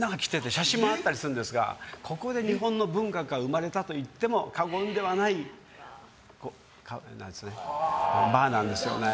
写真もあったりするんですがここで日本の文化が生まれたといっても過言ではないバーなんですよ。